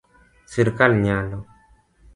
Sirkal nyalo